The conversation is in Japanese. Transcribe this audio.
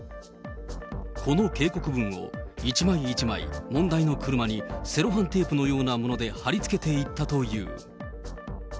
この警告文を、一枚一枚、問題の車にセロハンテープのようなもので貼り付けていったという。